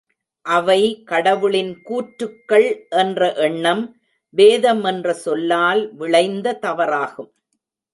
அவை கடவுளின் கூற்றுகள் என்ற எண்ணம் வேதம் என்ற சொல்லால் விளைந்த தவறாகும்.